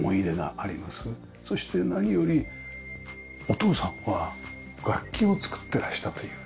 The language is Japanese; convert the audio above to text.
そして何よりお父さんは楽器を作っていらしたという。